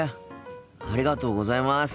ありがとうございます。